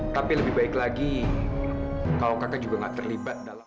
tapi lebih baik lagi kalau kakak juga nggak terlibat dalam